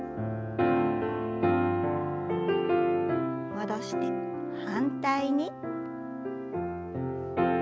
戻して反対に。